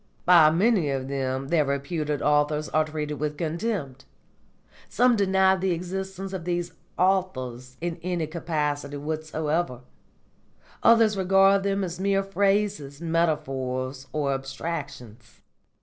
By many of them their reputed authors are treated with contempt; some deny the existence of these 'authors' in any capacity whatsoever; others regard them as mere phrases, metaphors, or abstractions.